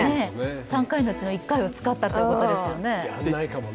３回のうちの１回は使ったということですよね。